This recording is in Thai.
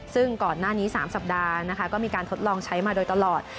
ซึ่งก่อนหน้านี้๓สัปดาห์นะคะก็มีการทดลองใช้มาโดยตลอด